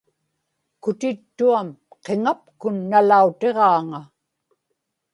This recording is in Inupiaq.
kutittuam qiŋapkun nalautiġaaŋa